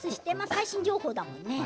最新情報だもんね。